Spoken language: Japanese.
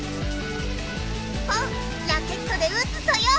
ポンラケットで打つソヨ！